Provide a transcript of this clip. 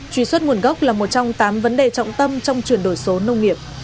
truy xuất nguồn gốc là một trong tám vấn đề trọng tâm trong chuyển đổi số nông nghiệp